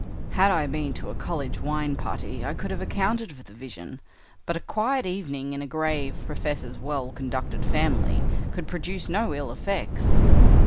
Had I been to a college wine party I could have accounted for the vision, but a quiet evening in a grave professor's well conducted family could produce no ill effects.